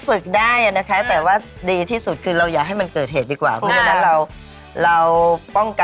ฝึกเอาไว้สติสำคัญที่สุดในแต่ละสถานการณ์นะคะ